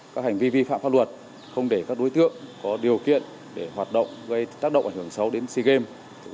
các hành vi vi phạm pháp luật không để các đối tượng có điều kiện để hoạt động gây tác động ảnh hưởng xấu đến sea games